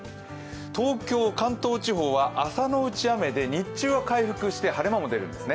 東京、関東地方は朝のうち雨で日中回復して晴れ間も出るんですね。